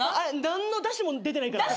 何のだしも出てないから。